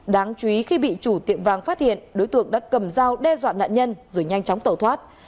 đáng chú ý khi bị chủ tiệm vàng phát hiện đối tượng đã cầm dao đe dọa nạn nhân rồi nhanh chóng tẩu thoát